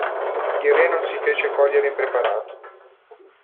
Il re non si fece cogliere impreparato.